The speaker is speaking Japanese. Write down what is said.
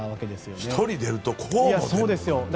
１人出るとこうも出る。